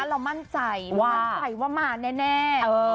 เรามั่นใจมั่นใจว่ามาแน่